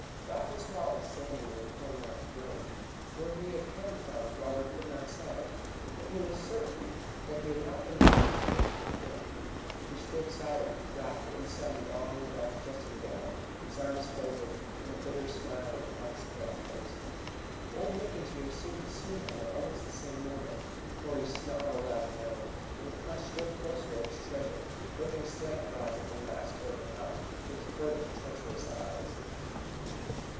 Raffles Haw was standing in the corner of the room. Where he had come from Robert could not say, but he was certain that he had not been there when he first looked in. He stood silent, wrapped in some long, dark dressing gown, his arms folded, and a bitter smile upon his pale face. Old McIntyre seemed to see him at almost the same moment, for he snarled out an oath, and clutched still closer at his treasure, looking slantwise at the master of the house with furtive, treacherous eyes.